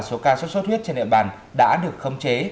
số ca mắc sốt suốt huyết trên địa bàn đã được khống chế